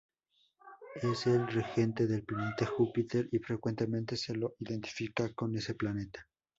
Es el regente del planeta Júpiter y frecuentemente se lo identifica con ese planeta.